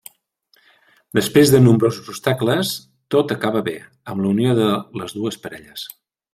Després de nombrosos obstacles, tot acaba bé, amb la unió de les dues parelles.